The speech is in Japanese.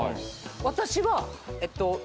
私はえっと。